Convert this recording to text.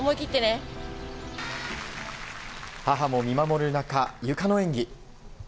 母も見守る中ゆかの演技。